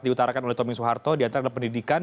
diutarakan oleh tommy soeharto diantara adalah pendidikan